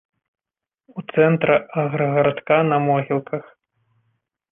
У цэнтра аграгарадка, на могілках.